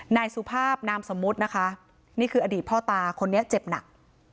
นายสุภาพนามสมมุตินะคะนี่คืออดีตพ่อตาคนนี้เจ็บหนัก